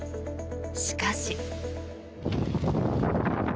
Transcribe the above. しかし。